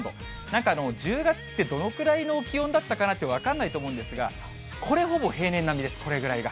なんか１０月って、どのくらいの気温だったかなって分かんないと思うんですが、これ、ほぼ平年並みです、これぐらいが。